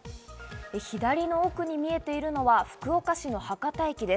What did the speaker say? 左の奥に見えているのは福岡市の博多駅です。